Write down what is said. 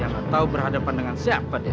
atau berhadapan dengan siapa dia